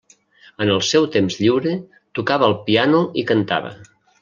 En el seu temps lliure tocava el piano i cantava.